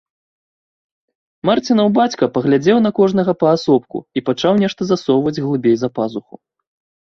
Марцінаў бацька паглядзеў на кожнага паасобку і пачаў нешта засоўваць глыбей за пазуху.